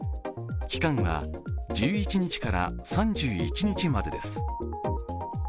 期間は１１日から３１日までです。